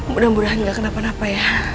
mudah mudahan gak kenapa napa ya